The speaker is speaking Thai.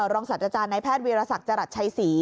รองศาจจานายแพทย์วีรศักดิ์จรัฐชัยศรี